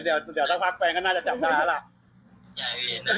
เดี๋ยวสักพักแฟนก็น่าจะจับได้แล้วล่ะ